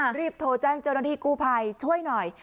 รีบโทรแจ้งเจ้าหน้าที่กู้ภัยช่วยหน่อย